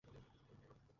আর, সৌরভীর তো কথাই নাই।